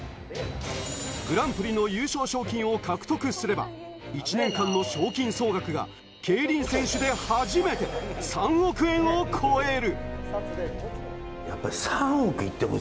グランプリの優勝賞金を獲得すれば、１年間の賞金総額が競輪選手で初めて３億円を超える。